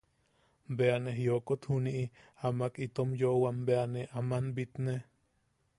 Bea ¡ne jijiok juniʼi! Amak in yooʼowam bea ne aman bitne.